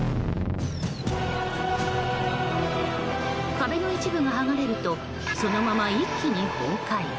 壁の一部が剥がれるとそのまま一気に崩壊。